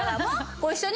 ご一緒に！